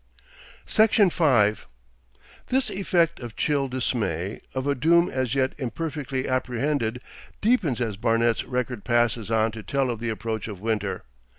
Section 4 This effect of chill dismay, of a doom as yet imperfectly apprehended deepens as Barnet's record passes on to tell of the approach of winter.